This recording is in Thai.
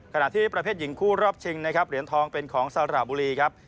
ขณะที่ประเภทหญิงคู่รอบชิงนะครับเหรียญทองเป็นของสระบุรีครับ